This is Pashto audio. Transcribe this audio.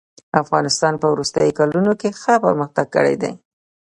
افغانستان په وروستيو کلونو کښي ښه پرمختګ کړی دئ.